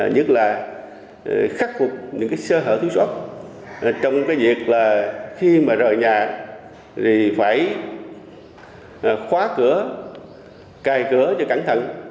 nhất là khắc phục những sơ hở thiếu sót trong việc khi rời nhà thì phải khóa cửa cài cửa cho cẩn thận